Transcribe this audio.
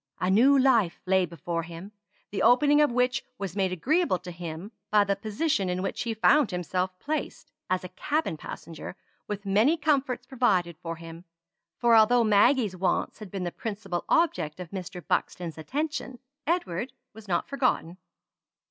A new life lay before him, the opening of which was made agreeable to him, by the position in which he found himself placed, as a cabin passenger; with many comforts provided for him; for although Maggie's wants had been the principal object of Mr. Buxton's attention, Edward was not forgotten.